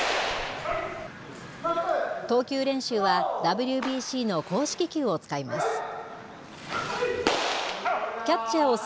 投球練習は、ＷＢＣの公式球を使います。